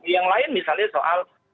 yang lain misalnya soal